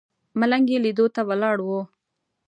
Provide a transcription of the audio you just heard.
ملنګ یې لیدو ته ولاړ و.